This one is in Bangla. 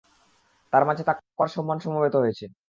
তাঁর মাঝে তাকওয়ার সম্মান সমবেত হয়েছে।